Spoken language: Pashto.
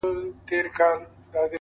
o ستا وه څادرته ضروت لرمه؛